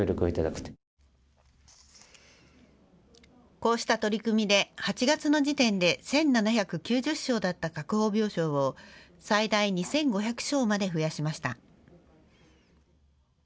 こうした取り組みで８月の時点で１７９０床だった確保病床を最大２５００床まで増やしました。